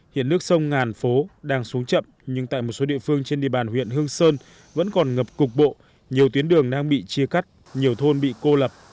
hiện nước sông ngàn phố đang xuống chậm nhưng tại một số địa phương trên địa bàn huyện hương sơn vẫn còn ngập cục bộ nhiều tuyến đường đang bị chia cắt nhiều thôn bị cô lập